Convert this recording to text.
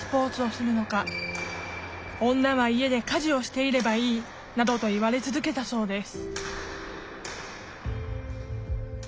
「女は家で家事をしていればいい」などと言われ続けたそうです